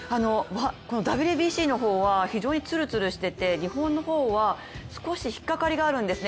このＷＢＣの方は非常につるつるしていて日本の方は少しひっかかりがあるんですね。